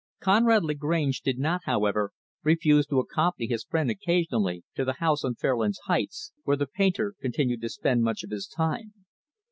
Conrad Lagrange did not, however, refuse to accompany his friend, occasionally, to the house on Fairlands Heights; where the painter continued to spend much of his time.